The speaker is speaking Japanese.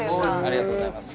ありがとうございます。